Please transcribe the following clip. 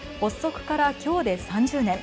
発足からきょうで３０年。